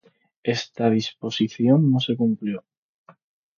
Esta disposición no se cumplió.